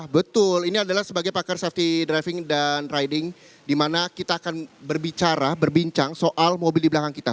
betul ini adalah sebagai pakar safety driving dan riding di mana kita akan berbicara berbincang soal mobil di belakang kita